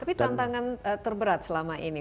tapi tantangan terberat selama ini